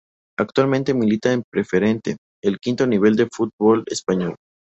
Actualmente milita en Preferente, el quinto nivel del fútbol español.